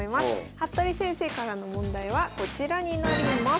服部先生からの問題はこちらになります。